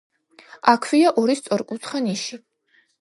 აქვეა ორი სწორკუთხა ნიში.